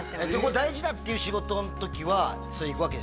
大事だっていう仕事の時はそれ行くわけでしょ